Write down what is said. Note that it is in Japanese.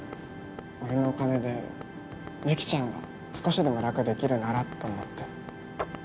俺のお金で雪ちゃんが少しでも楽できるならと思って。